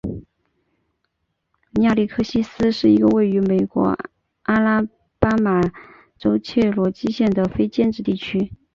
亚历克西斯是一个位于美国阿拉巴马州切罗基县的非建制地区。